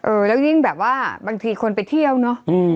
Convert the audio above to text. แล้วยิ่งแบบว่าบางทีคนไปเที่ยวเนอะ